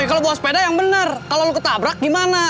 wah kalau buah sepeda yang bener kalau lu ketabrak gimana